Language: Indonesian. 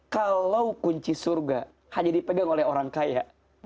kalau kunci surga hanya dipegang oleh orang kaya